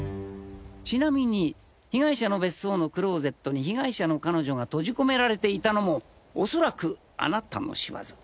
ちなみに被害者の別荘のクローゼットに被害者の彼女が閉じ込められていたのも恐らくあなたの仕業。